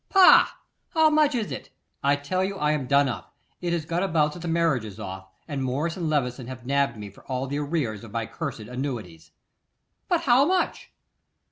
'Pah! How much is it?' 'I tell you I am done up. It has got about that the marriage is off, and Morris and Levison have nabbed me for all the arrears of my cursed annuities.' 'But how much?